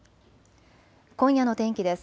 今夜の天気です。